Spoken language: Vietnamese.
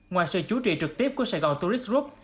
ngoài sự chú trị trực tiếp của sài gòn tourist group